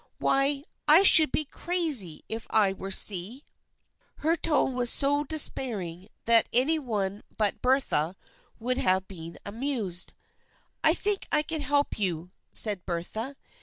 Why, I should be crazy if I were C." Her tone was so despairing that any one but Bertha would have been amused. " I think I can help you," said Bertha.